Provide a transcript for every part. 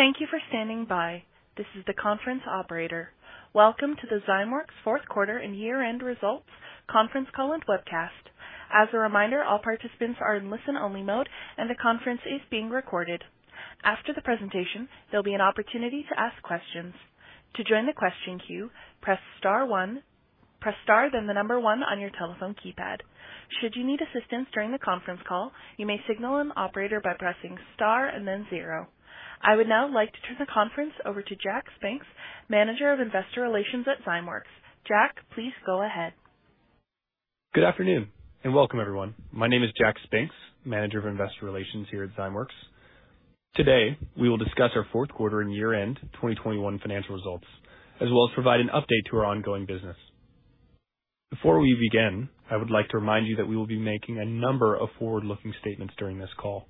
Thank you for standing by. This is the conference operator. Welcome to the Zymeworks fourth quarter and year-end results conference call and webcast. As a reminder, all participants are in listen-only mode, and the conference is being recorded. After the presentation, there'll be an opportunity to ask questions. To join the question queue, press star then the number one on your telephone keypad. Should you need assistance during the conference call, you may signal an operator by pressing star and then zero. I would now like to turn the conference over to Jack Spinks, Manager of Investor Relations at Zymeworks. Jack, please go ahead. Good afternoon and welcome, everyone. My name is Jack Spinks, Manager of Investor Relations here at Zymeworks. Today, we will discuss our fourth quarter and year-end 2021 financial results, as well as provide an update to our ongoing business. Before we begin, I would like to remind you that we will be making a number of forward-looking statements during this call,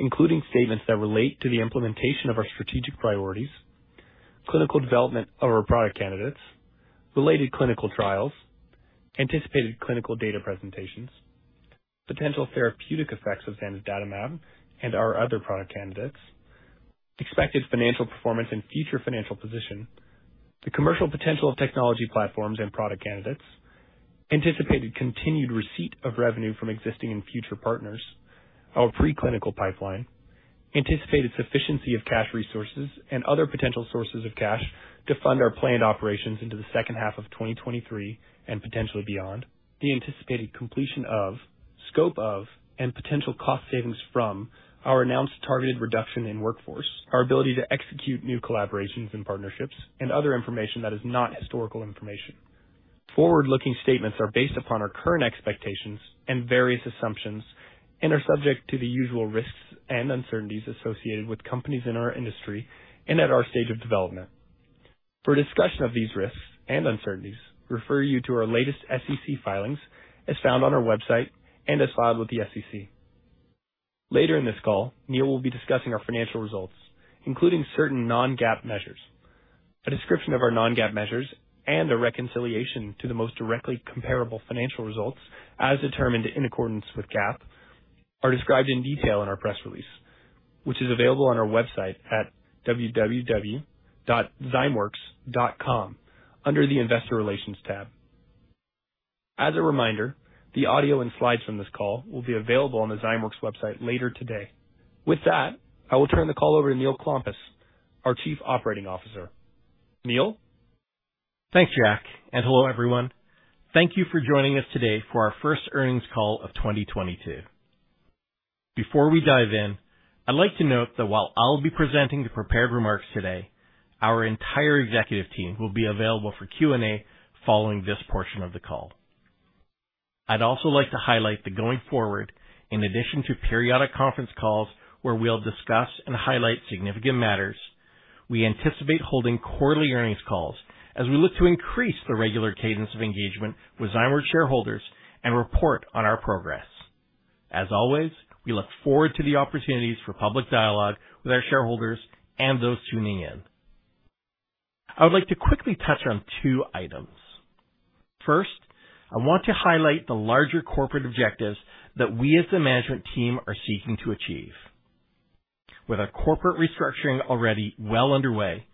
including statements that relate to the implementation of our strategic priorities, clinical development of our product candidates, related clinical trials, anticipated clinical data presentations, potential therapeutic effects of zanidatamab and our other product candidates, expected financial performance and future financial position, the commercial potential of technology platforms and product candidates, anticipated continued receipt of revenue from existing and future partners, our preclinical pipeline, anticipated sufficiency of cash resources and other potential sources of cash to fund our planned operations into the second half of 2023 and potentially beyond, the anticipated completion of, scope of, and potential cost savings from our announced targeted reduction in workforce, our ability to execute new collaborations and partnerships, and other information that is not historical information. Forward-looking statements are based upon our current expectations and various assumptions and are subject to the usual risks and uncertainties associated with companies in our industry and at our stage of development. For a discussion of these risks and uncertainties, we refer you to our latest SEC filings, as found on our website and as filed with the SEC. Later in this call, Neil will be discussing our financial results, including certain non-GAAP measures. A description of our non-GAAP measures and a reconciliation to the most directly comparable financial results as determined in accordance with GAAP are described in detail in our press release, which is available on our website at www.zymeworks.com under the Investor Relations tab. As a reminder, the audio and slides from this call will be available on the Zymeworks website later today. With that, I will turn the call over to Neil Klompas, our Chief Operating Officer. Neil. Thanks, Jack, and hello, everyone. Thank you for joining us today for our first earnings call of 2022. Before we dive in, I'd like to note that while I'll be presenting the prepared remarks today, our entire executive team will be available for Q&A following this portion of the call. I'd also like to highlight that going forward, in addition to periodic conference calls where we'll discuss and highlight significant matters, we anticipate holding quarterly earnings calls as we look to increase the regular cadence of engagement with Zymeworks shareholders and report on our progress. As always, we look forward to the opportunities for public dialogue with our shareholders and those tuning in. I would like to quickly touch on two items. First, I want to highlight the larger corporate objectives that we as the management team are seeking to achieve. With our corporate restructuring already well underway,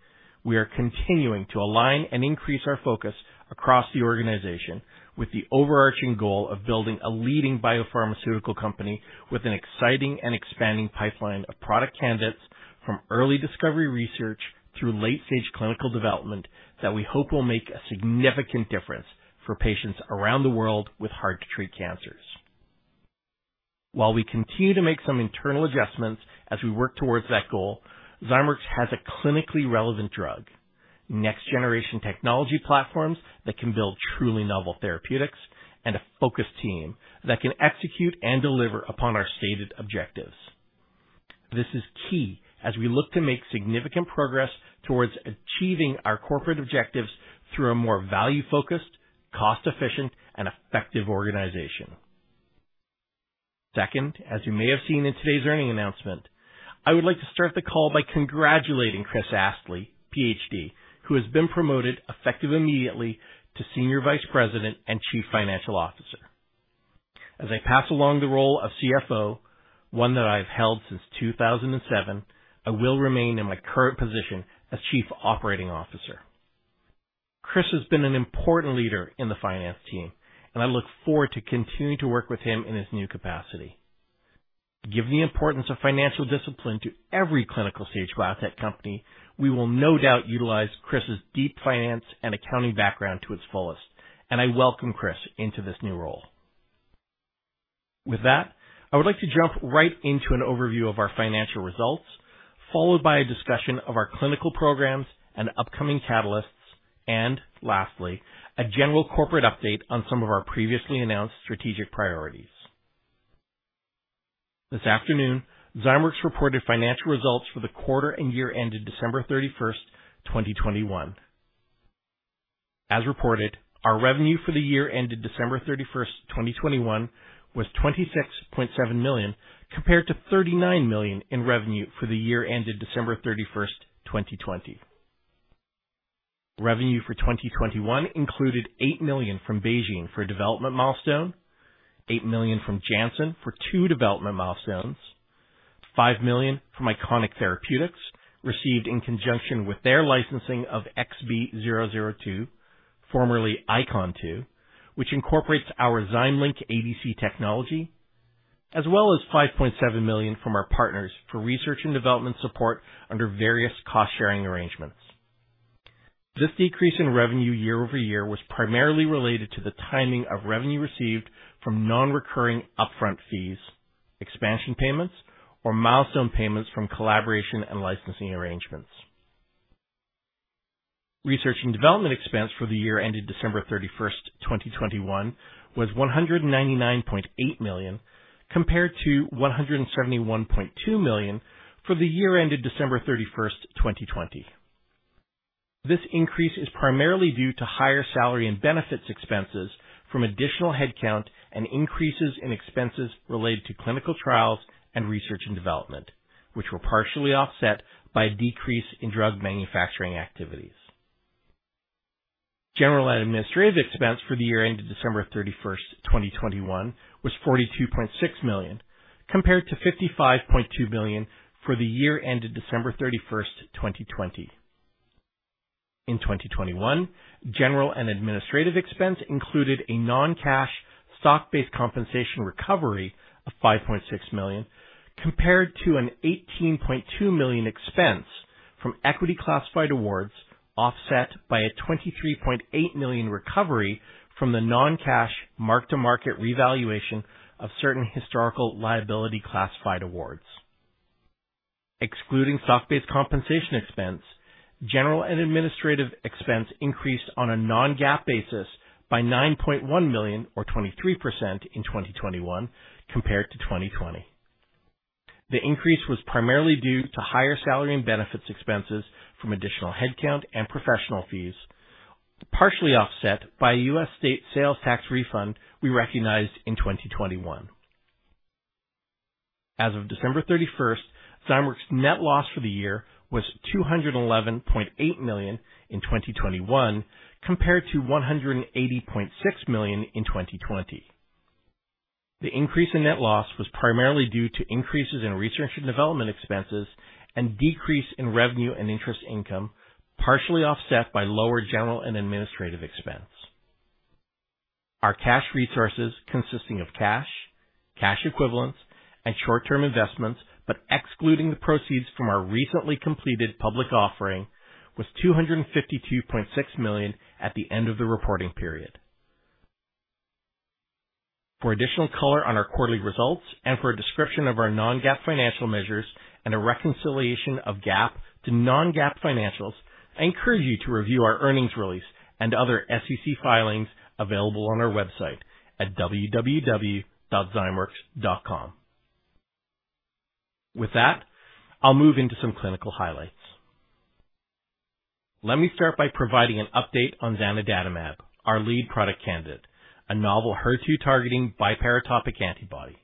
we are continuing to align and increase our focus across the organization with the overarching goal of building a leading biopharmaceutical company with an exciting and expanding pipeline of product candidates from early discovery research through late-stage clinical development that we hope will make a significant difference for patients around the world with hard-to-treat cancers. While we continue to make some internal adjustments as we work towards that goal, Zymeworks has a clinically relevant drug, next generation technology platforms that can build truly novel therapeutics, and a focused team that can execute and deliver upon our stated objectives. This is key as we look to make significant progress towards achieving our corporate objectives through a more value-focused, cost-efficient, and effective organization. Second, as you may have seen in today's earnings announcement, I would like to start the call by congratulating Chris Astle, Ph.D., who has been promoted, effective immediately, to Senior Vice President and Chief Financial Officer. As I pass along the role of CFO, one that I've held since 2007, I will remain in my current position as Chief Operating Officer. Chris has been an important leader in the finance team, and I look forward to continuing to work with him in his new capacity. Given the importance of financial discipline to every clinical-stage biotech company, we will no doubt utilize Chris' deep finance and accounting background to its fullest, and I welcome Chris into this new role. With that, I would like to jump right into an overview of our financial results, followed by a discussion of our clinical programs and upcoming catalysts, and lastly, a general corporate update on some of our previously announced strategic priorities. This afternoon, Zymeworks reported financial results for the quarter and year ended December 31, 2021. As reported, our revenue for the year ended December 31, 2021 was $26.7 million, compared to $39 million in revenue for the year ended December 31, 2020. Revenue for 2021 included $8 million from BeiGene for a development milestone, $8 million from Janssen for two development milestones, $5 million from Iconic Therapeutics received in conjunction with their licensing of XB002, formerly ICON-2, which incorporates our ZymeLink ADC technology, as well as $5.7 million from our partners for research and development support under various cost-sharing arrangements. This decrease in revenue year-over-year was primarily related to the timing of revenue received from non-recurring upfront fees, expansion payments or milestone payments from collaboration and licensing arrangements. Research and development expense for the year ended December 31, 2021 was $199.8 million, compared to $171.2 million for the year ended December 31, 2020. This increase is primarily due to higher salary and benefits expenses from additional headcount and increases in expenses related to clinical trials and research and development, which were partially offset by a decrease in drug manufacturing activities. General and administrative expense for the year ended December 31, 2021 was $42.6 million, compared to $55.2 million for the year ended December 31, 2020. In 2021, general and administrative expense included a non-cash stock-based compensation recovery of $5.6 million, compared to an $18.2 million expense from equity-classified awards, offset by a $23.8 million recovery from the non-cash mark-to-market revaluation of certain historical liability classified awards. Excluding stock-based compensation expense, general and administrative expense increased on a non-GAAP basis by $9.1 million or 23% in 2021 compared to 2020. The increase was primarily due to higher salary and benefits expenses from additional headcount and professional fees, partially offset by a U.S. state sales tax refund we recognized in 2021. As of December 31, Zymeworks' net loss for the year was $211.8 million in 2021 compared to $180.6 million in 2020. The increase in net loss was primarily due to increases in research and development expenses and decrease in revenue and interest income, partially offset by lower general and administrative expense. Our cash resources, consisting of cash, cash equivalents, and short-term investments, but excluding the proceeds from our recently completed public offering, was $252.6 million at the end of the reporting period. For additional color on our quarterly results and for a description of our non-GAAP financial measures and a reconciliation of GAAP to non-GAAP financials, I encourage you to review our earnings release and other SEC filings available on our website at www.zymeworks.com. With that, I'll move into some clinical highlights. Let me start by providing an update on zanidatamab, our lead product candidate, a novel HER2-targeting biparatopic antibody.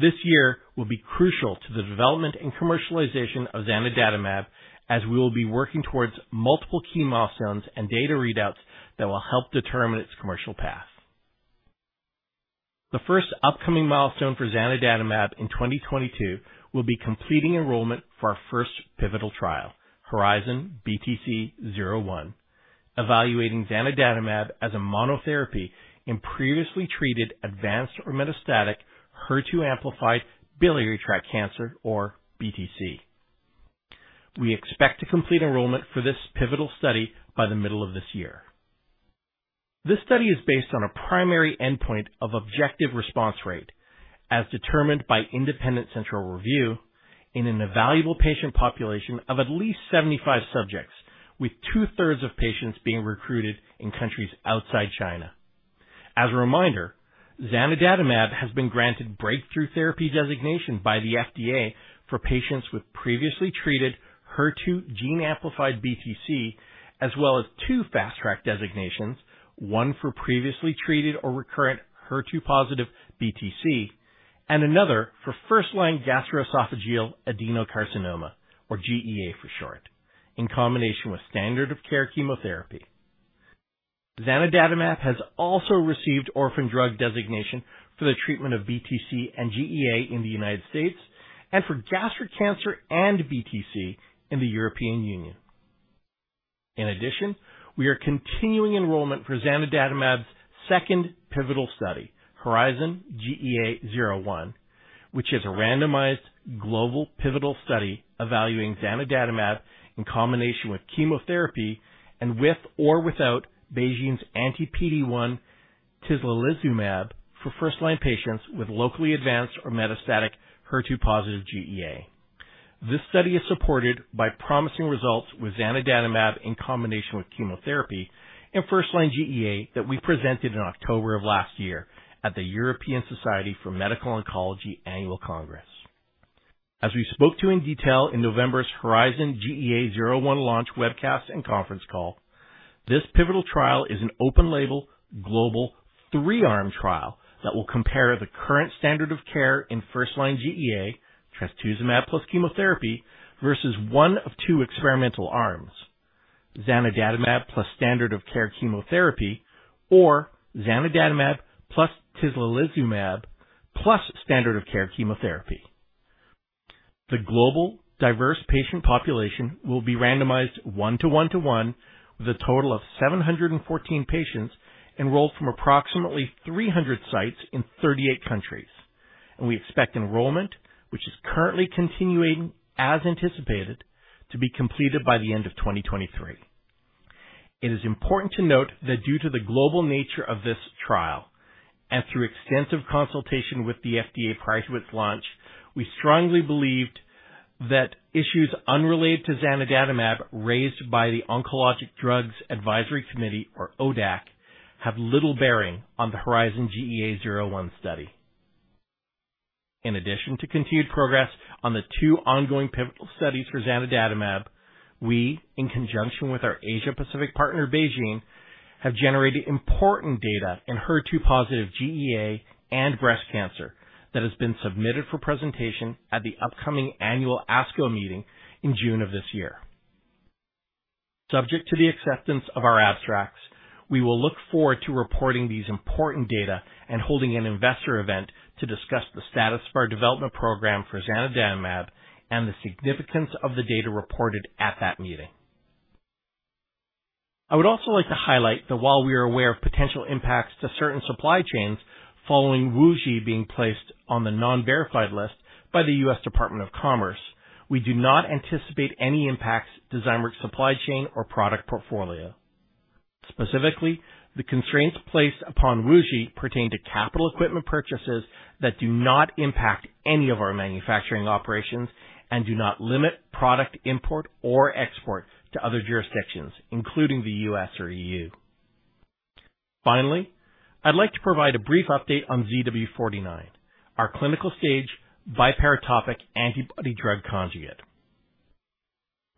This year will be crucial to the development and commercialization of zanidatamab, as we will be working towards multiple key milestones and data readouts that will help determine its commercial path. The first upcoming milestone for zanidatamab in 2022 will be completing enrollment for our first pivotal trial, HERIZON-BTC-01, evaluating zanidatamab as a monotherapy in previously treated advanced or metastatic HER2-amplified biliary tract cancer or BTC. We expect to complete enrollment for this pivotal study by the middle of this year. This study is based on a primary endpoint of objective response rate, as determined by independent central review in an evaluable patient population of at least 75 subjects, with two-thirds of patients being recruited in countries outside China. As a reminder, zanidatamab has been granted Breakthrough Therapy Designation by the FDA for patients with previously treated HER2 gene-amplified BTC as well as two Fast Track designations, one for previously treated or recurrent HER2-positive BTC and another for first-line gastroesophageal adenocarcinoma, or GEA for short, in combination with standard of care chemotherapy. Zanidatamab has also received Orphan Drug designation for the treatment of BTC and GEA in the United States and for gastric cancer and BTC in the European Union. In addition, we are continuing enrollment for zanidatamab's second pivotal study, HERIZON-GEA-01, which is a randomized global pivotal study evaluating zanidatamab in combination with chemotherapy and with or without BeiGene's anti-PD-1 tislelizumab for first-line patients with locally advanced or metastatic HER2-positive GEA. This study is supported by promising results with zanidatamab in combination with chemotherapy in first-line GEA that we presented in October of last year at the European Society for Medical Oncology Annual Congress. As we spoke to in detail in November's HERIZON-GEA-01 launch webcast and conference call. This pivotal trial is an open-label global three-arm trial that will compare the current standard of care in first-line GEA, trastuzumab plus chemotherapy, versus one of two experimental arms, zanidatamab plus standard-of-care chemotherapy, or zanidatamab plus tislelizumab plus standard-of-care chemotherapy. The global diverse patient population will be randomized 1:1:1 with a total of 714 patients enrolled from approximately 300 sites in 38 countries. We expect enrollment, which is currently continuing as anticipated, to be completed by the end of 2023. It is important to note that due to the global nature of this trial, and through extensive consultation with the FDA prior to its launch, we strongly believed that issues unrelated to zanidatamab raised by the Oncologic Drugs Advisory Committee or ODAC have little bearing on the HERIZON-GEA-01 study. In addition to continued progress on the two ongoing pivotal studies for zanidatamab, we in conjunction with our Asia Pacific partner, BeiGene, have generated important data in HER2 positive GEA and breast cancer that has been submitted for presentation at the upcoming annual ASCO meeting in June of this year. Subject to the acceptance of our abstracts, we will look forward to reporting these important data and holding an investor event to discuss the status of our development program for zanidatamab and the significance of the data reported at that meeting. I would also like to highlight that while we are aware of potential impacts to certain supply chains following WuXi being placed on the unverified list by the U.S. Department of Commerce, we do not anticipate any impacts to Zymeworks supply chain or product portfolio. Specifically, the constraints placed upon WuXi pertain to capital equipment purchases that do not impact any of our manufacturing operations and do not limit product import or export to other jurisdictions, including the U.S. or EU. Finally, I'd like to provide a brief update on ZW49, our clinical stage biparatopic antibody drug conjugate.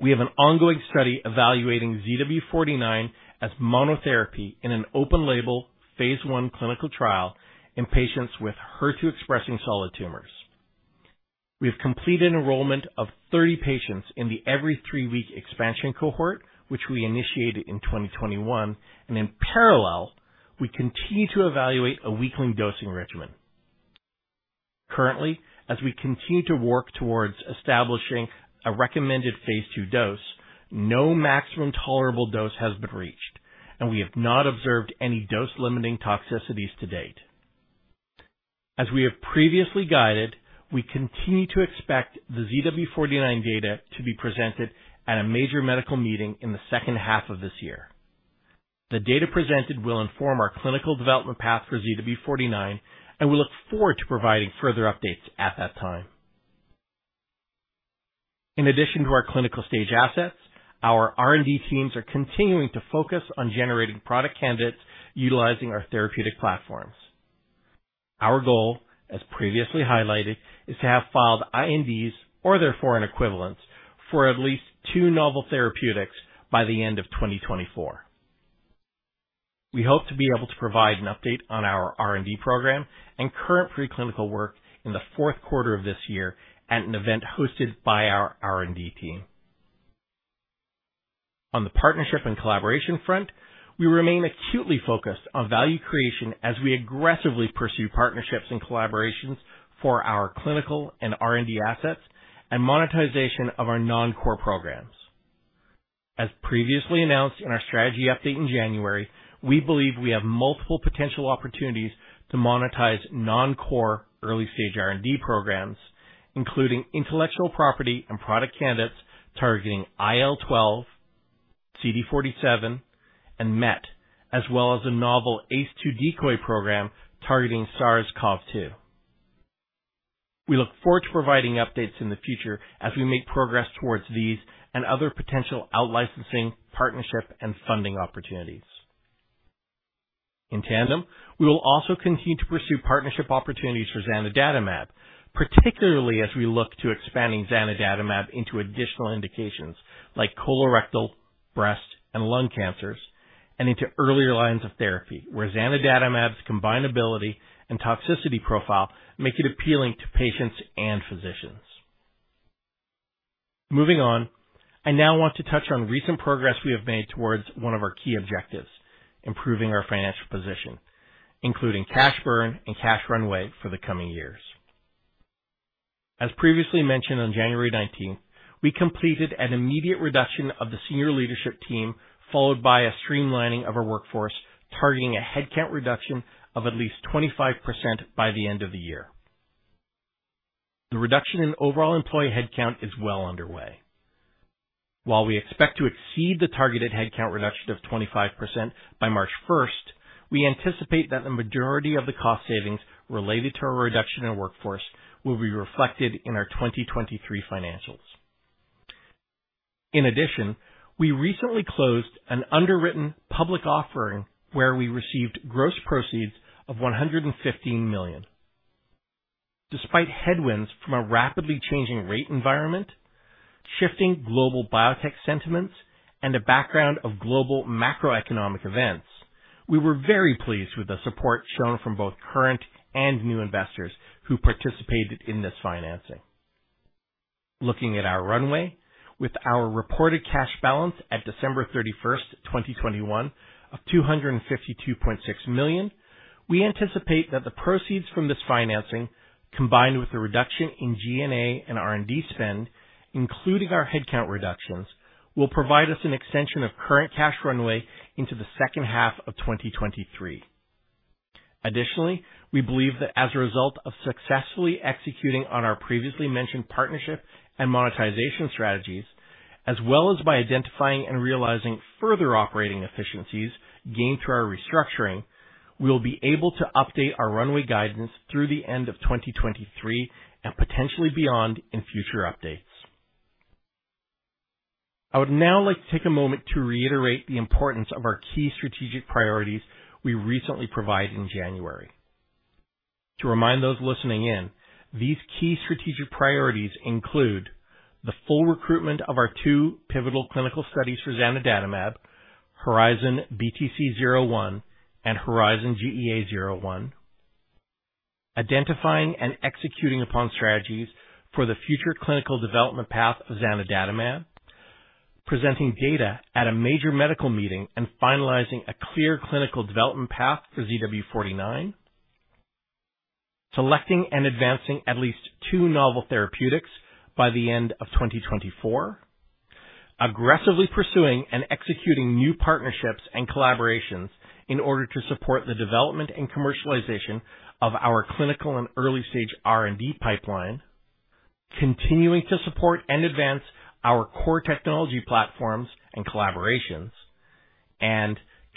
We have an ongoing study evaluating ZW49 as monotherapy in an open label Phase 1 clinical trial in patients with HER2 expressing solid tumors. We have completed enrollment of 30 patients in the every three-week expansion cohort, which we initiated in 2021. In parallel, we continue to evaluate a weekly dosing regimen. Currently, as we continue to work towards establishing a recommended Phase 2 dose, no maximum tolerable dose has been reached, and we have not observed any dose-limiting toxicities to date. As we have previously guided, we continue to expect the ZW49 data to be presented at a major medical meeting in the second half of this year. The data presented will inform our clinical development path for ZW49, and we look forward to providing further updates at that time. In addition to our clinical stage assets, our R&D teams are continuing to focus on generating product candidates utilizing our therapeutic platforms. Our goal, as previously highlighted, is to have filed INDs or their foreign equivalents for at least two novel therapeutics by the end of 2024. We hope to be able to provide an update on our R&D program and current preclinical work in the fourth quarter of this year at an event hosted by our R&D team. On the partnership and collaboration front, we remain acutely focused on value creation as we aggressively pursue partnerships and collaborations for our clinical and R&D assets and monetization of our non-core programs. As previously announced in our strategy update in January, we believe we have multiple potential opportunities to monetize non-core early stage R&D programs, including intellectual property and product candidates targeting IL-12, CD47, and MET, as well as a novel ACE2 decoy program targeting SARS-CoV-2. We look forward to providing updates in the future as we make progress towards these and other potential outlicensing, partnership and funding opportunities. In tandem, we will also continue to pursue partnership opportunities for zanidatamab, particularly as we look to expanding zanidatamab into additional indications like colorectal, breast, and lung cancers, and into earlier lines of therapy where zanidatamab's combinability and toxicity profile make it appealing to patients and physicians. Moving on, I now want to touch on recent progress we have made towards one of our key objectives, improving our financial position, including cash burn and cash runway for the coming years. As previously mentioned on January 19th, we completed an immediate reduction of the senior leadership team, followed by a streamlining of our workforce, targeting a headcount reduction of at least 25% by the end of the year. The reduction in overall employee headcount is well underway. While we expect to exceed the targeted headcount reduction of 25% by March 1st, we anticipate that the majority of the cost savings related to our reduction in workforce will be reflected in our 2023 financials. In addition, we recently closed an underwritten public offering where we received gross proceeds of $115 million. Despite headwinds from a rapidly changing rate environment, shifting global biotech sentiments and a background of global macroeconomic events, we were very pleased with the support shown from both current and new investors who participated in this financing. Looking at our runway. With our reported cash balance at December 31st, 2021 of $252.6 million, we anticipate that the proceeds from this financing, combined with the reduction in G&A and R&D spend, including our headcount reductions, will provide us an extension of current cash runway into the second half of 2023. Additionally, we believe that as a result of successfully executing on our previously mentioned partnership and monetization strategies, as well as by identifying and realizing further operating efficiencies gained through our restructuring, we will be able to update our runway guidance through the end of 2023 and potentially beyond in future updates. I would now like to take a moment to reiterate the importance of our key strategic priorities we recently provided in January. To remind those listening in, these key strategic priorities include the full recruitment of our two pivotal clinical studies for zanidatamab, HERIZON-BTC-01 and HERIZON-GEA-01. Identifying and executing upon strategies for the future clinical development path of zanidatamab. Presenting data at a major medical meeting and finalizing a clear clinical development path for ZW49. Selecting and advancing at least two novel therapeutics by the end of 2024. Aggressively pursuing and executing new partnerships and collaborations in order to support the development and commercialization of our clinical and early stage R&D pipeline. Continuing to support and advance our core technology platforms and collaborations.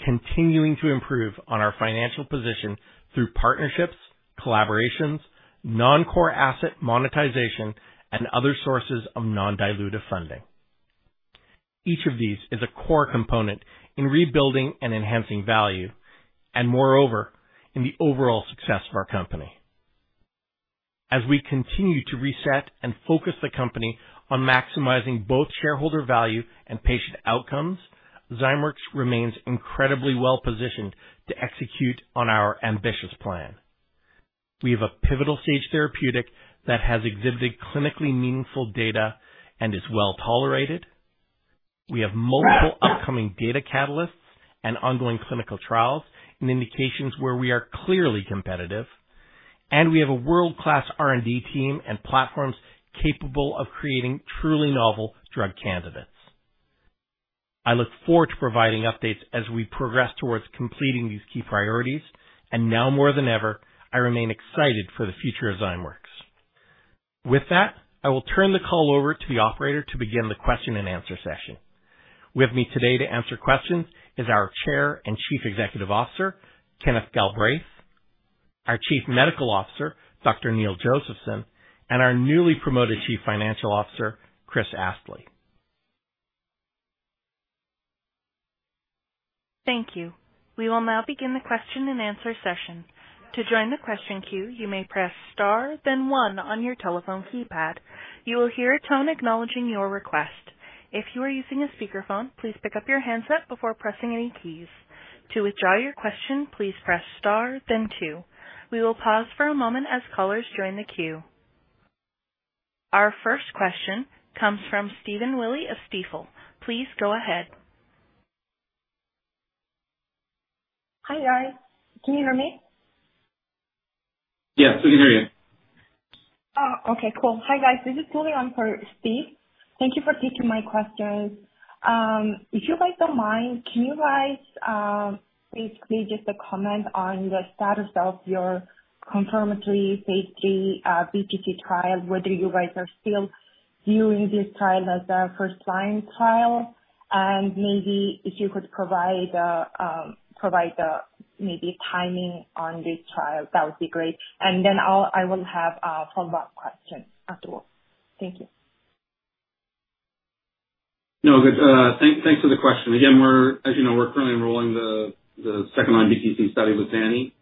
Continuing to improve on our financial position through partnerships, collaborations, non-core asset monetization and other sources of non-dilutive funding. Each of these is a core component in rebuilding and enhancing value and moreover in the overall success of our company. As we continue to reset and focus the company on maximizing both shareholder value and patient outcomes, Zymeworks remains incredibly well positioned to execute on our ambitious plan. We have a pivotal stage therapeutic that has exhibited clinically meaningful data and is well tolerated. We have multiple upcoming data catalysts and ongoing clinical trials in indications where we are clearly competitive. We have a world-class R&D team and platforms capable of creating truly novel drug candidates. I look forward to providing updates as we progress towards completing these key priorities, and now more than ever, I remain excited for the future of Zymeworks. With that, I will turn the call over to the operator to begin the question and answer session. With me today to answer questions is our Chair and Chief Executive Officer, Kenneth Galbraith, our Chief Medical Officer, Dr. Neil Josephson, and our newly promoted Chief Financial Officer, Chris Astle. Thank you. We will now begin the question and answer session. To join the question queue, you may press star then one on your telephone keypad. You will hear a tone acknowledging your request. If you are using a speakerphone, please pick up your handset before pressing any keys. To withdraw your question, please press star then two. We will pause for a moment as callers join the queue. Our first question comes from Stephen Willey of Stifel. Please go ahead. Hi, guys. Can you hear me? Yes, we can hear you. Oh, okay, cool. Hi, guys. This is Ellen Han on for Steve. Thank you for taking my questions. If you guys don't mind, can you guys basically just a comment on the status of your confirmatory Phase 3 BTC trial, whether you guys are still viewing this trial as a first-line trial, and maybe if you could provide the, maybe, timing on this trial, that would be great. I will have a follow-up question afterwards. Thank you. No. Good. Thanks for the question. Again, as you know, we're currently enrolling the second-line BTC study with Zani,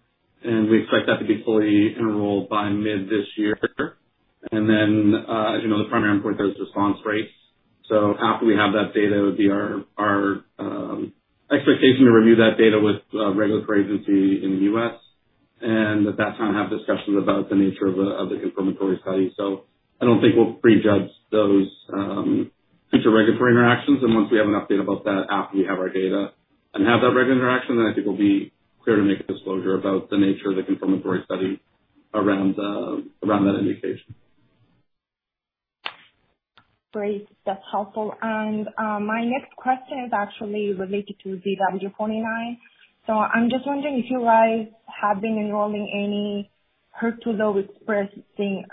and we expect that to be fully enrolled by mid this year. As you know, the primary endpoint there is response rates. After we have that data, it would be our expectation to review that data with a regulatory agency in the U.S. and at that time have discussions about the nature of the confirmatory study. I don't think we'll prejudge those future regulatory interactions. Once we have an update about that after we have our data and have that interaction, then I think we'll be clear to make a disclosure about the nature of the confirmatory study around that indication. Great. That's helpful. My next question is actually related to ZW49. I'm just wondering if you guys have been enrolling any HER2-low expressing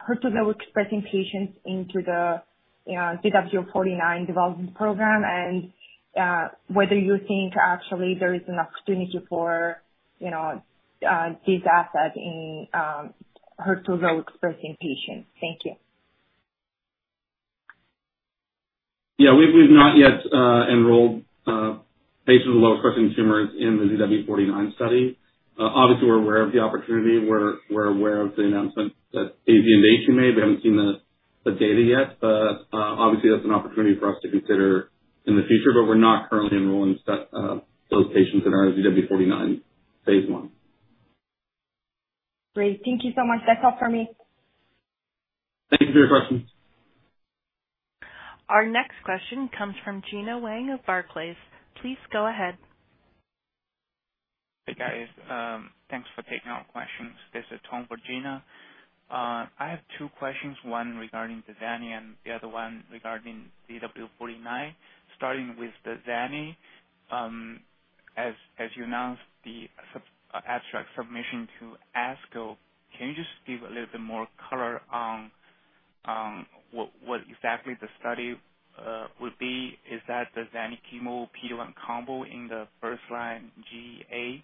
patients into the ZW49 development program and whether you think actually there is an opportunity for, you know, this asset in HER2-low expressing patients. Thank you. Yeah, we've not yet enrolled patients with low-expressing tumors in the ZW49 study. Obviously, we're aware of the opportunity. We're aware of the announcement that Daiichi and Roche made. We haven't seen the data yet, but obviously, that's an opportunity for us to consider in the future. But we're not currently enrolling those patients in our ZW49 Phase 1. Great. Thank you so much. That's all for me. Thank you for your question. Our next question comes from Gena Wang of Barclays. Please go ahead. Hey, guys. Thanks for taking our questions. This is Tom for Gena. I have two questions, one regarding the Zani and the other one regarding ZW49. Starting with the Zani, as you announced the abstract submission to ASCO, can you just give a little bit more color on what exactly the study would be? Is that the zani chemo PD-L1 combo in the first-line GEA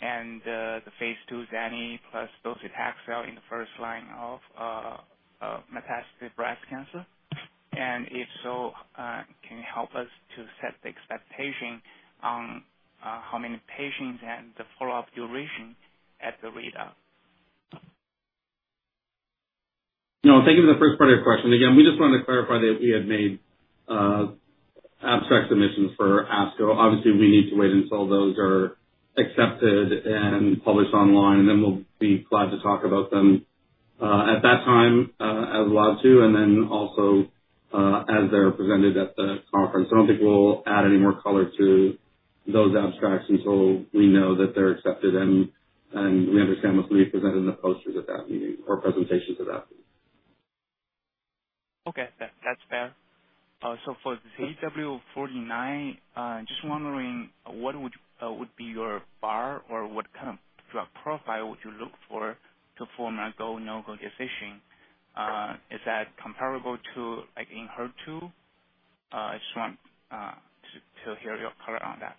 and the Phase 2 zani plus docetaxel in the first line of metastatic breast cancer? And if so, can you help us set the expectation on how many patients and the follow-up duration at the readout? No, thank you for the first part of your question. Again, we just wanted to clarify that we had made abstract submissions for ASCO. Obviously, we need to wait until those are accepted and published online, and then we'll be glad to talk about them at that time as allowed to, and then also as they're presented at the conference. I don't think we'll add any more color to those abstracts until we know that they're accepted and we understand what's being presented in the posters at that meeting or presentations at that meeting. Okay. That's fair. For ZW49, just wondering what would be your bar or what kind of drug profile would you look for to form a go, no-go decision? Is that comparable to, like, in HER2? I just want to hear your color on that.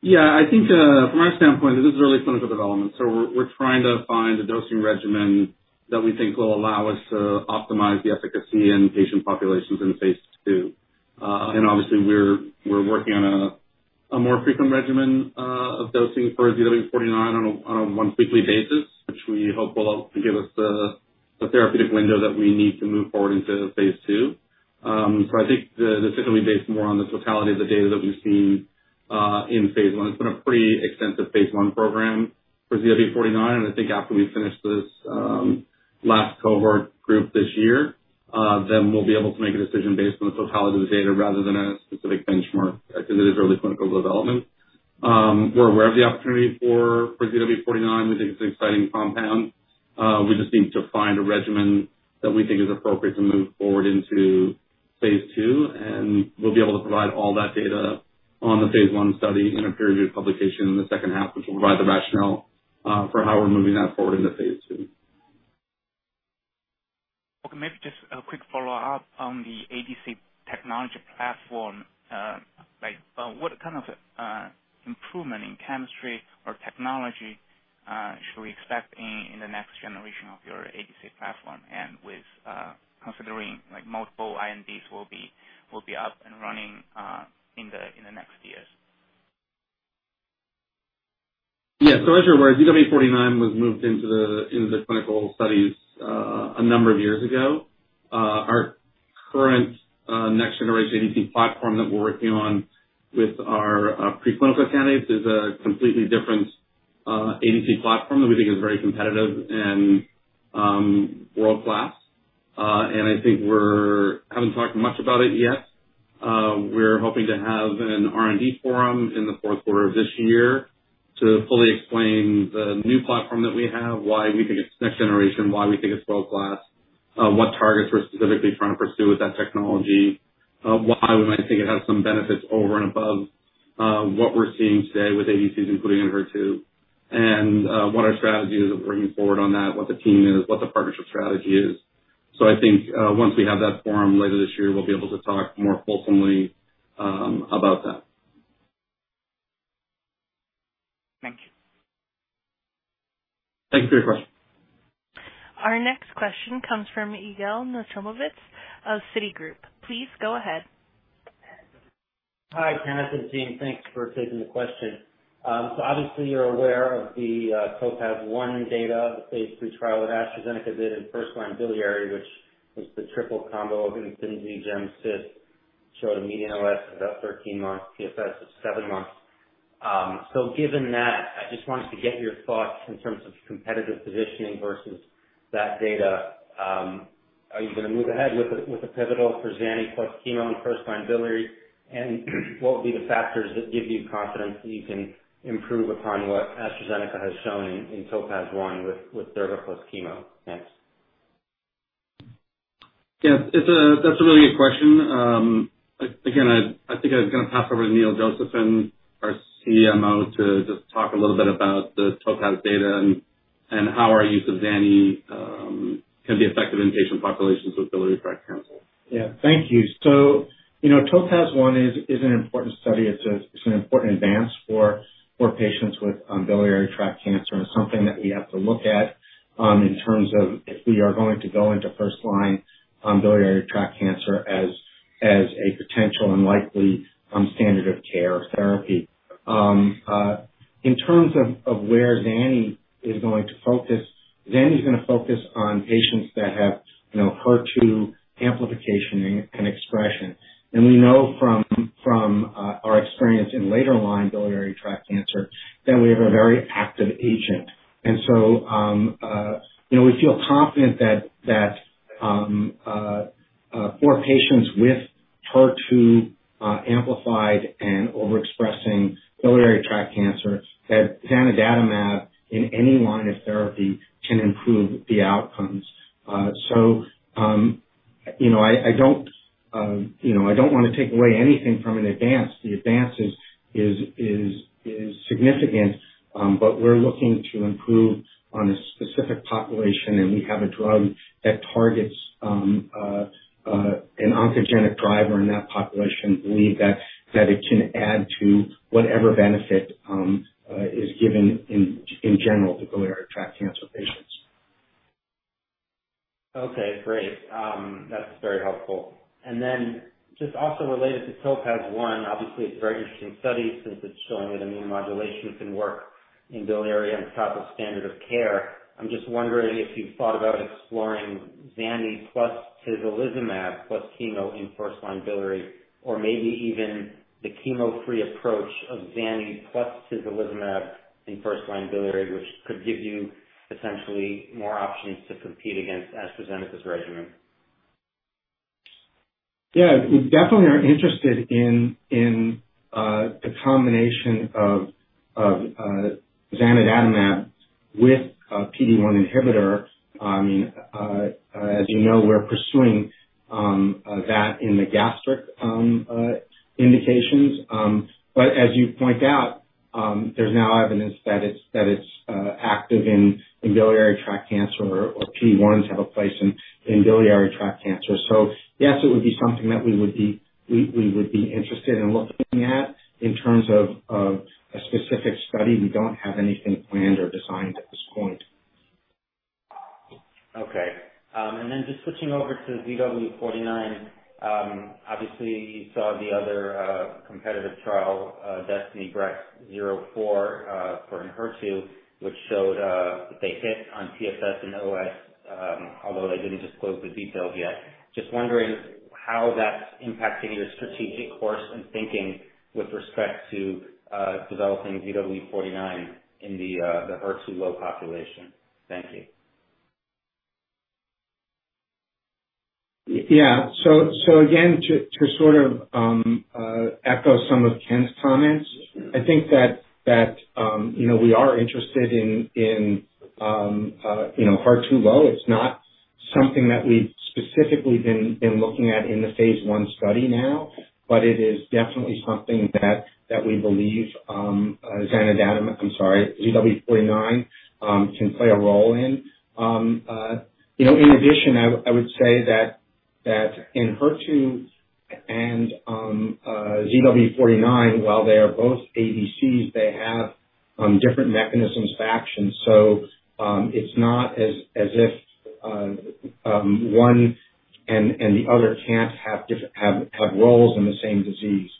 Yeah. I think from our standpoint, this is early clinical development, so we're trying to find a dosing regimen that we think will allow us to optimize the efficacy in patient populations in Phase 2. Obviously we're working on a more frequent regimen of dosing for ZW49 on a once weekly basis, which we hope will give us the therapeutic window that we need to move forward into Phase 2. I think this is gonna be based more on the totality of the data that we've seen in Phase 1. It's been a pretty extensive Phase 1 program for ZW49, and I think after we finish this last cohort group this year, then we'll be able to make a decision based on the totality of the data rather than a specific benchmark, as it is early clinical development. We're aware of the opportunity for ZW49. We think it's an exciting compound. We just need to find a regimen that we think is appropriate to move forward into Phase 2, and we'll be able to provide all that data on the Phase 1 study in a peer-reviewed publication in the second half, which will provide the rationale for how we're moving that forward into Phase 2. Okay, maybe just a quick follow-up on the ADC technology platform. Like, what kind of improvement in chemistry or technology should we expect in the next generation of your ADC platform and with considering, like, multiple INDs will be up and running in the next years? Yeah. As you're aware, ZW49 was moved into the clinical studies a number of years ago. Our current next generation ADC platform that we're working on with our preclinical candidates is a completely different ADC platform that we think is very competitive and world-class. I think we haven't talked much about it yet. We're hoping to have an R&D forum in the fourth quarter of this year to fully explain the new platform that we have, why we think it's next generation, why we think it's world-class, what targets we're specifically trying to pursue with that technology, why we might think it has some benefits over and above, what we're seeing today with ADCs, including in HER2, and what our strategy is of bringing forward on that, what the team is, what the partnership strategy is. I think, once we have that forum later this year, we'll be able to talk more fulsomely about that. Thank you. Thank you for your question. Our next question comes from Yigal Nochomovitz of Citigroup. Please go ahead. Hi, Kenneth and team. Thanks for taking the question. Obviously you're aware of the TOPAZ-1 data, the Phase 3 trial that AstraZeneca did in first-line biliary, which is the triple combo of Imfinzi gemcitabine showed a median OS of about 13 months, PFS of 7 months. Given that, I just wanted to get your thoughts in terms of competitive positioning versus that data. Are you gonna move ahead with the pivotal for Zani plus chemo in first-line biliary? And what would be the factors that give you confidence that you can improve upon what AstraZeneca has shown in TOPAZ-1 with Imfinzi plus chemo? Thanks. Yes. It's a really good question. Again, I think I'm gonna pass over to Neil Josephson, our CMO, to just talk a little bit about the TOPAZ data and how our use of Zani can be effective in patient populations with biliary tract cancer. Yeah. Thank you. You know, TOPAZ-1 is an important study. It's an important advance for patients with biliary tract cancer and something that we have to look at in terms of if we are going to go into first-line biliary tract cancer as a potential and likely standard of care therapy. In terms of where Zani is going to focus, Zani is gonna focus on patients that have you know HER2 amplification and expression. We know from our experience in later line biliary tract cancer that we have a very active agent. You know, we feel confident that for patients with HER2 amplified and overexpressing biliary tract cancer, that zanidatamab in any line of therapy can improve the outcomes. You know, I don't wanna take away anything from an advance. The advance is significant. We're looking to improve on a specific population, and we have a drug that targets an oncogenic driver in that population. We believe that it can add to whatever benefit is given in general to biliary tract cancer patients. Okay, great. That's very helpful. Just also related to TOPAZ-1, obviously, it's a very interesting study since it's showing that immunomodulation can work in biliary on top of standard of care. I'm just wondering if you've thought about exploring Zani plus tislelizumab plus chemo in first-line biliary, or maybe even the chemo-free approach of Zani plus tislelizumab in first-line biliary, which could give you essentially more options to compete against AstraZeneca's regimen. Yeah. We definitely are interested in the combination of zanidatamab with a PD-1 inhibitor. As you know, we're pursuing that in the gastric indications. As you point out, there's now evidence that it's active in biliary tract cancer or PD-1s have a place in biliary tract cancer. Yes, it would be something that we would be interested in looking at. In terms of a specific study, we don't have anything planned or designed at this point. Okay. Just switching over to ZW49. Obviously you saw the other competitive trial, DESTINY-Breast04, for Enhertu, which showed that they hit on PFS and OS, although they didn't disclose the details yet. Just wondering how that's impacting your strategic course and thinking with respect to developing ZW49 in the HER2 low population. Thank you. Yeah. Again, to sort of echo some of Ken's comments, I think that you know, we are interested in HER2-low. It's not something that we've specifically been looking at in the Phase 1 study now, but it is definitely something that we believe zanidatamab, I'm sorry, ZW49 can play a role in. You know, in addition, I would say that Enhertu and ZW49, while they are both ADCs, they have different mechanisms of action. You know, it's not as if one and the other can't have different roles in the same disease.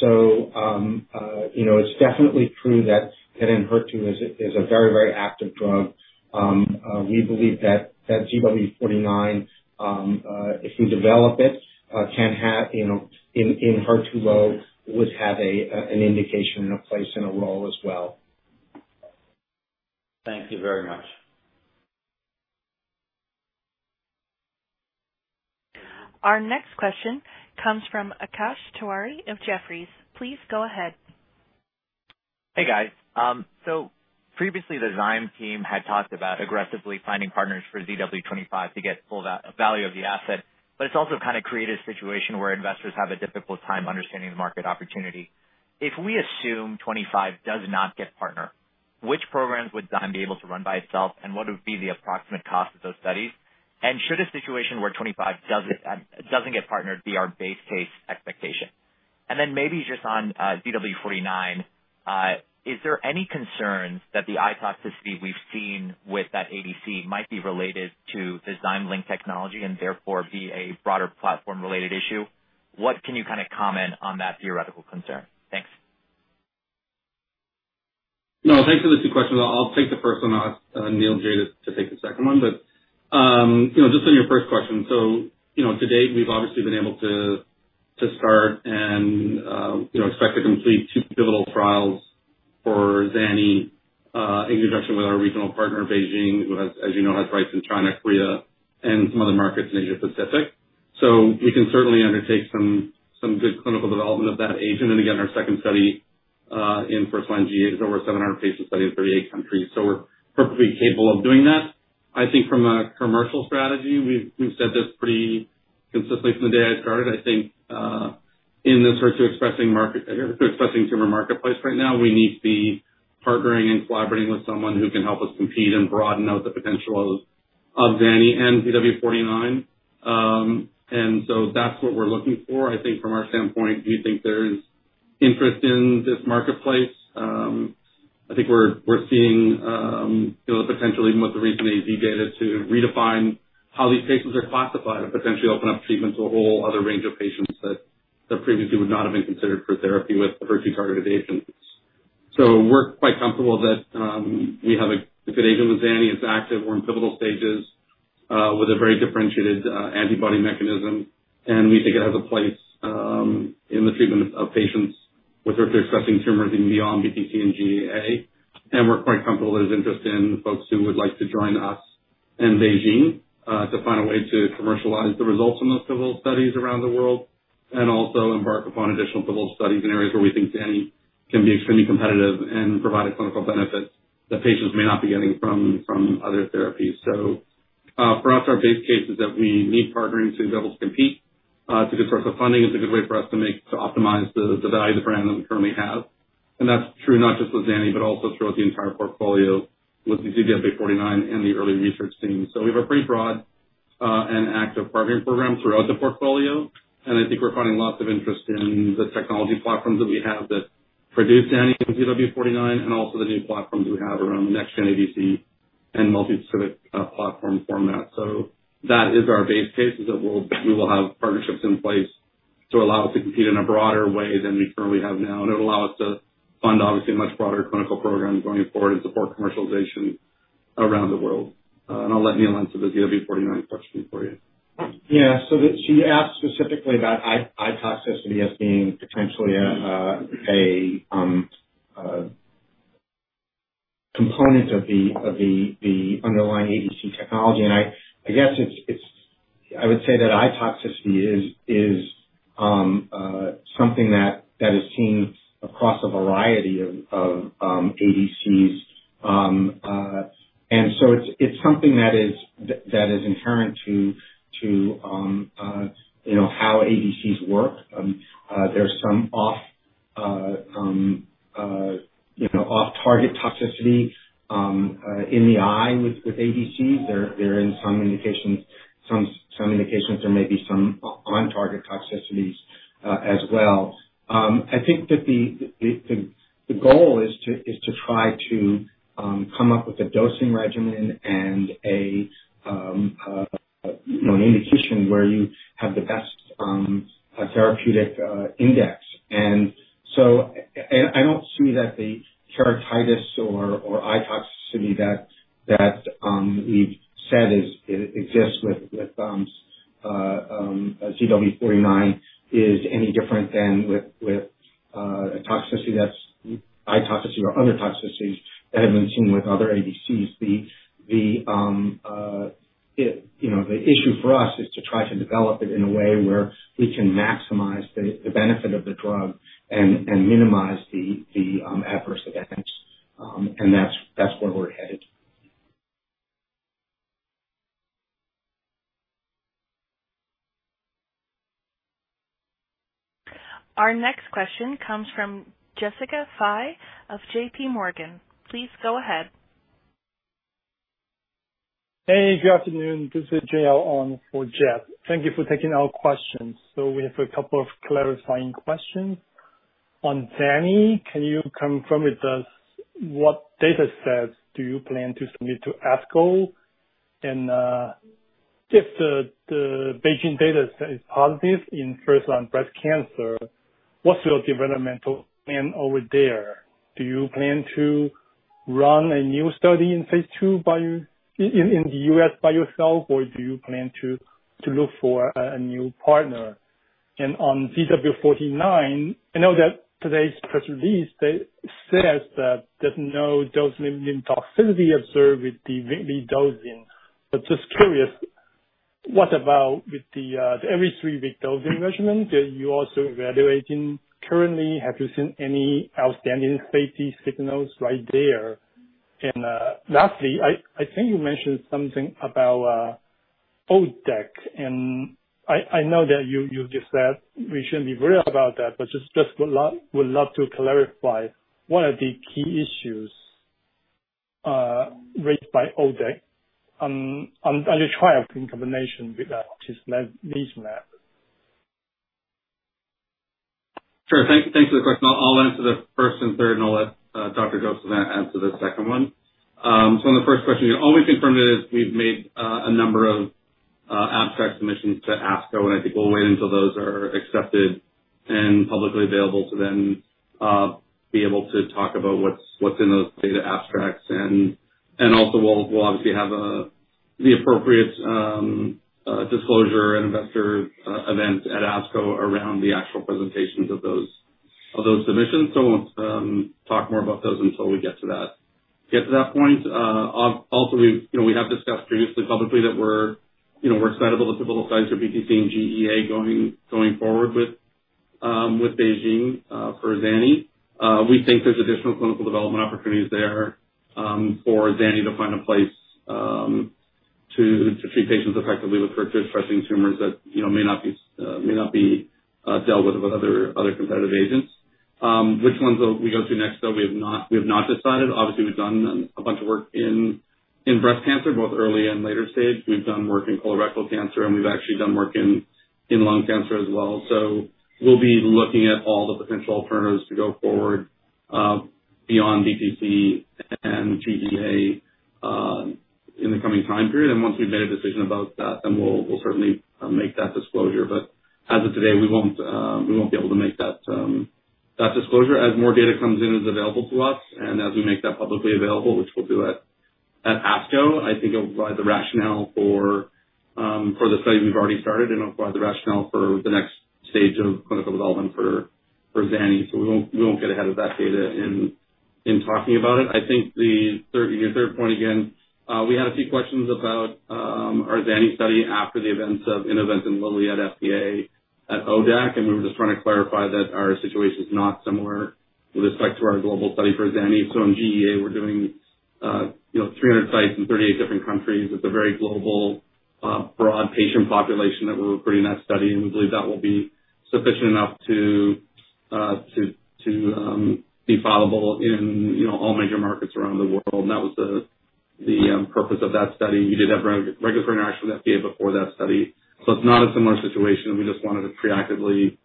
You know, it's definitely true that Enhertu is a very active drug. We believe that ZW49, if we develop it, can have, you know, in HER2-low, would have an indication and a place and a role as well. Thank you very much. Our next question comes from Akash Tewari of Jefferies. Please go ahead. Hey, guys. Previously, the Zymeworks team had talked about aggressively finding partners for ZW25 to get full value of the asset, but it's also kinda created a situation where investors have a difficult time understanding the market opportunity. If we assume ZW25 does not get partnered, which programs would Zymeworks be able to run by itself, and what would be the approximate cost of those studies? Should a situation where ZW25 doesn't get partnered be our base case expectation? Maybe just on ZW49, is there any concerns that the eye toxicity we've seen with that ADC might be related to the ZymeLink technology and therefore be a broader platform-related issue? What can you kinda comment on that theoretical concern? Thanks. No, thank you for the two questions. I'll take the first one. I'll ask Neil Josephson to take the second one. You know, just on your first question. You know, to date, we've obviously been able to start and expect to complete two pivotal trials for Zani in conjunction with our regional partner, BeiGene, who has, as you know, rights in China, Korea, and some other markets in Asia Pacific. We can certainly undertake some good clinical development of that agent. Again, our second study in first-line GEA is over 700-patient study in 38 countries. We're perfectly capable of doing that. I think from a commercial strategy, we've said this pretty consistently from the day I started, I think. In the HER2 expressing market, HER2 expressing tumor marketplace right now, we need to be partnering and collaborating with someone who can help us compete and broaden out the potential of Zani and ZW49. That's what we're looking for. I think from our standpoint, we think there's interest in this marketplace. I think we're seeing you know, potentially even with the recent ADC data to redefine how these patients are classified and potentially open up treatments to a whole other range of patients that previously would not have been considered for therapy with HER2 targeted agents. We're quite comfortable that we have a good agent with Zani. It's active. We're in pivotal stages with a very differentiated antibody mechanism, and we think it has a place in the treatment of patients with HER2 expressing tumors and beyond BTC and GEA. We're quite comfortable there's interest in folks who would like to join us in BeiGene to find a way to commercialize the results in those pivotal studies around the world and also embark upon additional pivotal studies in areas where we think Zani can be extremely competitive and provide a clinical benefit that patients may not be getting from other therapies. For us, our base case is that we need partnering to be able to compete to disperse the funding. It's a good way for us to make to optimize the value of the brand that we currently have. That's true not just with Zani, but also throughout the entire portfolio with the ZW49 and the early research teams. We have a pretty broad and active partnering program throughout the portfolio, and I think we're finding lots of interest in the technology platforms that we have that produce Zani and ZW49 and also the new platforms we have around next gen ADC and multispecific platform format. That is our base case, that we will have partnerships in place to allow us to compete in a broader way than we currently have now. It'll allow us to fund obviously a much broader clinical program going forward to support commercialization around the world. I'll let Neil answer the ZW49 question for you. She asked specifically about eye toxicity as being potentially a component of the underlying ADC technology. I would say that eye toxicity is something that is seen across a variety of ADCs. It's something that is inherent to you know how ADCs work. There's some you know off-target toxicity in the eye with ADCs. In some indications there may be some on-target toxicities as well. I think that the goal is to try to come up with a dosing regimen and, you know, an indication where you have the best therapeutic index. I don't see that the keratitis or eye toxicity that we've said exists with ZW49 is any different than with a toxicity, that's eye toxicity, or other toxicities that have been seen with other ADCs. You know, the issue for us is to try to develop it in a way where we can maximize the benefit of the drug and minimize the adverse events. That's where we're headed. Our next question comes from Jessica Fye of JPMorgan. Please go ahead. Hey, good afternoon. This is JL on for Jess. Thank you for taking our questions. We have a couple of clarifying questions. On Zani, can you confirm with us what data sets do you plan to submit to ASCO? If the BeiGene data set is positive in first-line breast cancer, what's your developmental plan over there? Do you plan to run a new study in Phase 2 in the US by yourself, or do you plan to look for a new partner? On ZW49, I know that today's press release that says that there's no dose-limiting toxicity observed with the weekly dosing. Just curious, what about with the every three-week dosing regimen that you're also evaluating currently? Have you seen any outstanding safety signals right there? Lastly, I think you mentioned something about ODAC, and I know that you just said we shouldn't be worried about that, but would love to clarify one of the key issues raised by ODAC on your trial in combination with atezolizumab, zanidatamab. Sure. Thanks for the question. I'll answer the first and third, and I'll let Dr. Josephson answer the second one. On the first question, all we've confirmed is we've made a number of abstract submissions to ASCO, and I think we'll wait until those are accepted and publicly available to then be able to talk about what's in those data abstracts. Also we'll obviously have the appropriate disclosure and investor event at ASCO around the actual presentations of those submissions. Won't talk more about those until we get to that point. Also, you know, we have discussed previously publicly that we're, you know, excited about the signals for BTC and GEA going forward with BeiGene for Zani. We think there's additional clinical development opportunities there for Zani to find a place to treat patients effectively with HER2 expressing tumors that you know may not be dealt with other competitive agents. Which ones will we go to next though we have not decided. Obviously we've done a bunch of work in breast cancer both early and later stage. We've done work in colorectal cancer and we've actually done work in lung cancer as well. We'll be looking at all the potential alternatives to go forward beyond BTC and GEA in the coming time period. Once we've made a decision about that then we'll certainly make that disclosure. As of today we won't be able to make that disclosure. As more data comes in is available to us and as we make that publicly available, which we'll do at ASCO, I think it'll provide the rationale for the study we've already started and it'll provide the rationale for the next stage of clinical development for Zani. We won't get ahead of that data in talking about it. I think the third, your third point, again, we had a few questions about our Zani study after the events of Innovent and Lilly at FDA at ODAC, and we were just trying to clarify that our situation is not similar with respect to our global study for Zani. In GEA we're doing 300 sites in 38 different countries. It's a very global, broad patient population that we're recruiting that study and we believe that will be sufficient enough to, be followable in, you know, all major markets around the world. That was the purpose of that study. We did have regular interaction with FDA before that study. It's not a similar situation. We just wanted to proactively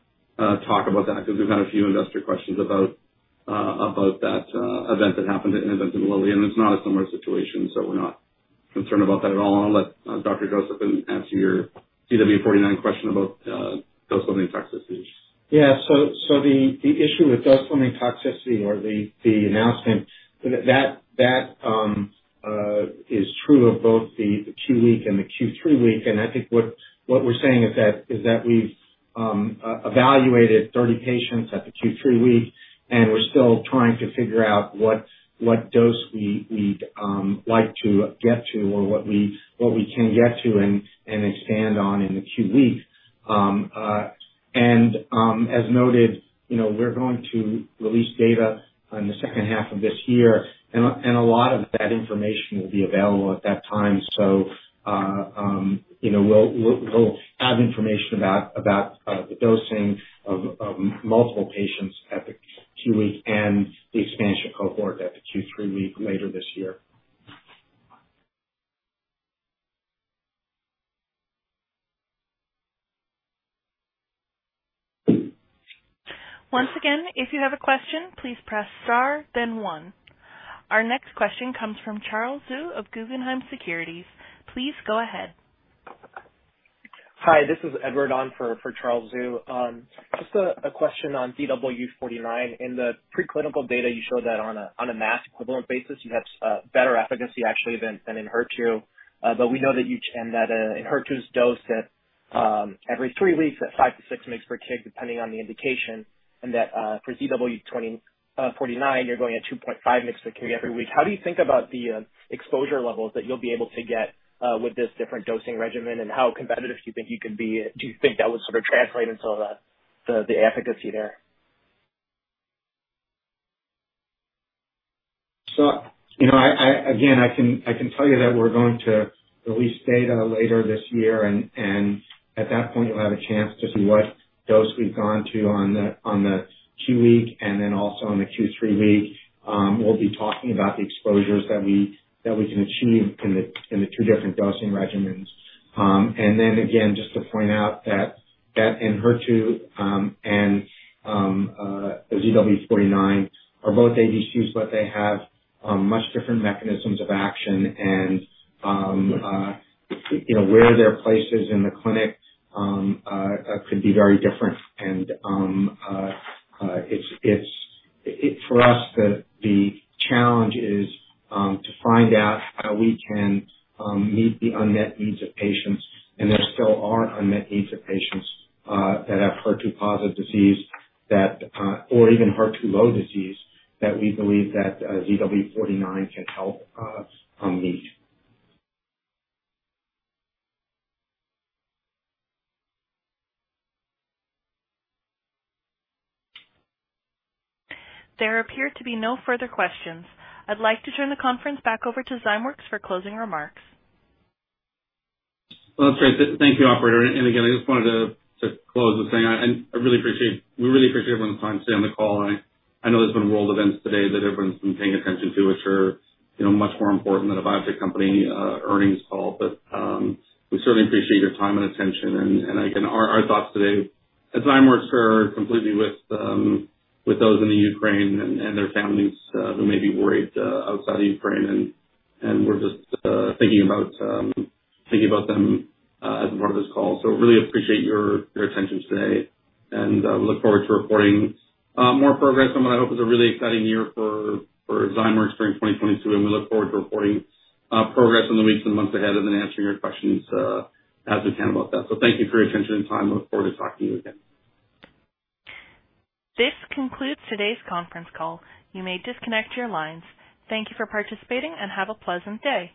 talk about that because we've had a few investor questions about about that event that happened at Innovent and Lilly, and it's not a similar situation, so we're not concerned about that at all. I'll let Dr. Josephson answer your ZW49 question about dose-limiting toxicity. Yeah. The issue with dose-limiting toxicity or the announcement that is true of both the QW and the Q3W, and I think what we're saying is that we've evaluated 30 patients at the Q3W, and we're still trying to figure out what dose we need like to get to or what we can get to and expand on in the QW. As noted, you know, we're going to release data in the second half of this year, and a lot of that information will be available at that time. You know, we'll have information about the dosing of multiple patients at the QW and the expansion cohort at the Q3W later this year. Once again, if you have a question, please press star then one. Our next question comes from Charles Zhu of Guggenheim Securities. Please go ahead. Hi, this is Edward on for Charles Zhu. Just a question on ZW49. In the preclinical data you showed that on a molar equivalent basis you have better efficacy actually than in HER2. But we know that in HER2's dose every three weeks at 5-6 mg/kg depending on the indication, and that for ZW49, you're going at 2.5 mg/kg every week. How do you think about the exposure levels that you'll be able to get with this different dosing regimen and how competitive do you think you can be? Do you think that would sort of translate into the efficacy there? You know, again, I can tell you that we're going to release data later this year and at that point you'll have a chance to see what dose we've gone to on the QW and then also on the Q3W. We'll be talking about the exposures that we can achieve in the two different dosing regimens. And then again, just to point out that in HER2 and the ZW49 are both ADCs, but they have much different mechanisms of action. You know, where their places in the clinic could be very different. It's for us the challenge is to find out how we can meet the unmet needs of patients. There still are unmet needs of patients that have HER2-positive disease that, or even HER2-low disease, that we believe that ZW49 can help meet. There appear to be no further questions. I'd like to turn the conference back over to Zymeworks for closing remarks. Well, that's great. Thank you, operator. Again, I just wanted to close with saying I really appreciate, we really appreciate everyone's time today on the call. I know there's been world events today that everyone's been paying attention to, which are, you know, much more important than a biotech company earnings call. We certainly appreciate your time and attention. Again, our thoughts today at Zymeworks are completely with those in the Ukraine and their families who may be worried outside Ukraine. We're just thinking about them as part of this call. Really appreciate your attention today, and we look forward to reporting more progress on what I hope is a really exciting year for Zymeworks during 2022. We look forward to reporting progress in the weeks and months ahead and then answering your questions, as we can about that. Thank you for your attention and time. Look forward to talking to you again. This concludes today's conference call. You may disconnect your lines. Thank you for participating and have a pleasant day.